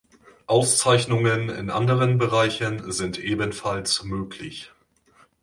Auszeichnungen in anderen Bereichen sind ebenfalls möglich.